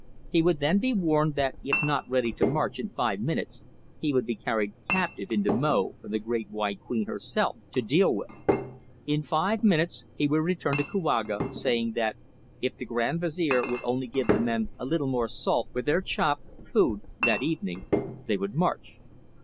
He would then be warned that if not ready to march in five minutes, he would be carried captive into Mo for the Great White Queen herself to deal with. In five minutes he would return to Kouaga, saying that if the Grand Vizier would only give the men a little more salt with their "chop" (food) that evening, they would march.